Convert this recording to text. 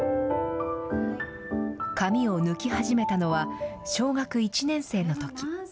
髪を抜き始めたのは、小学１年生のとき。